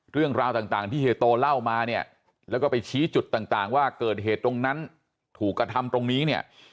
เรื่องราวต่างที่เฮียโตเล่ามาเนี่ยแล้วก็ไปชี้จุดต่างว่าเกิดเหตุตรงนั้นถูกกระทำตรงนี้เนี่ย